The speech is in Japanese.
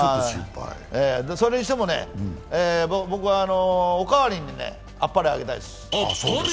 それにしても僕は、おかわりにあっぱれあげたいです。